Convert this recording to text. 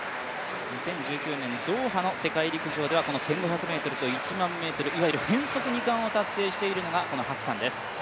２０１９年ドーハの世界陸上では１５００ｍと１００００ｍ、いわゆる変則２冠を達成しています